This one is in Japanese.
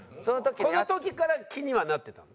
この時から気にはなってたの？